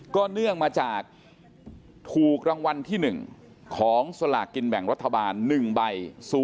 เนื่องมาจากถูกรางวัลที่๑ของสลากกินแบ่งรัฐบาล๑ใบ